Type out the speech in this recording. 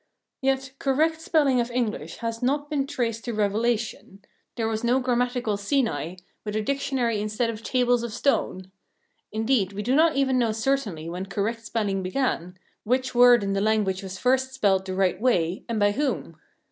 Yet correct spelling of English has not been traced to revelation; there was no grammatical Sinai, with a dictionary instead of tables of stone. Indeed, we do not even know certainly when correct spelling began, which word in the language was first spelt the right way, and by whom.